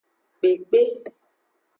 Kpekpe.